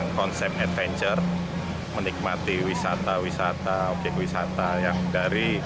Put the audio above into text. konsep adventure menikmati wisata wisata objek wisata yang dari